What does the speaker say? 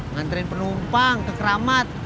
nganterin penumpang ke keramat